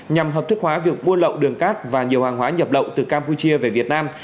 nhằm hợp thức hóa việc buôn lậu đường cát và nhiều hàng hóa nhập lậu từ campuchia về việt nam